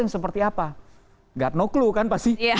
yang seperti apa gak no clue kan pasti